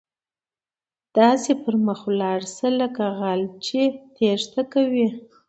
داسې پر مخ ولاړ شه، لکه غل چې ټیښته کوي.